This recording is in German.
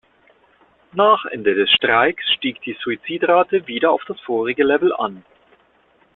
Nach Ende des Streiks stieg die Suizidrate wieder auf das vorherige Level an.